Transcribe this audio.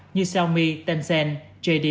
như xiaomi tencent jd com